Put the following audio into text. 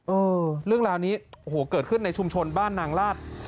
เออเรื่องราวนี้โอ้โหเกิดขึ้นในชุมชนบ้านนางลาด